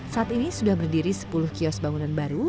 saat ini sudah berdiri sepuluh kios bangunan baru